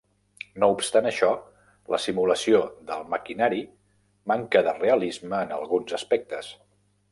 No obstant això, la simulació del maquinari manca de realisme en alguns aspectes.